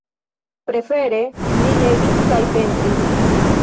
Prefere li legis kaj pentris.